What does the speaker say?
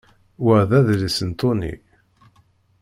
Wa d adlis n Tony.